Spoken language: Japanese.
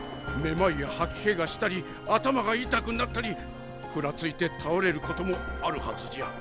めまいや吐き気がしたり頭が痛くなったりふらついて倒れることもあるはずじゃ。